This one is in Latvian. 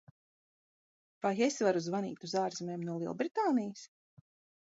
Vai es varu zvanīt uz ārzemēm no Lielbritānijas?